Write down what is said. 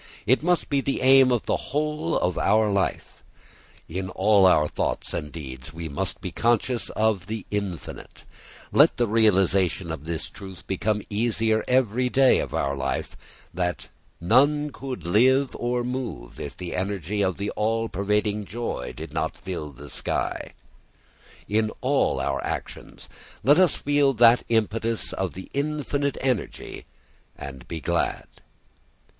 It must be the aim of the whole of our life. In all our thoughts and deeds we must be conscious of the infinite. Let the realisation of this truth become easier every day of our life, that none could live or move if the energy of the all pervading joy did not fill the sky. [Footnote: Ko hyevānyāt kah prānyāt yadesha ākāçha ānando na syāt.] In all our actions let us feel that impetus of the infinite energy and be glad.